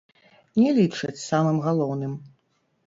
Не лічаць самым галоўным.